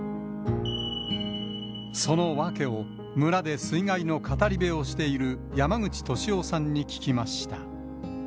その訳を、村で水害の語り部をしている山口敏夫さんに聞きました。